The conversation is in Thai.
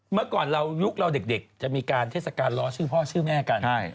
เมื่อก่อนเรายุคเราเด็กจะมีการเทศกาลล้อชื่อพ่อชื่อแม่กัน